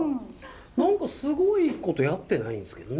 何かすごいことやってないんですけどね。